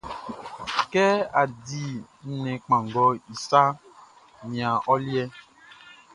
Kɛ á dí nnɛn kpanngɔʼn i saʼn, nian ɔ liɛʼn.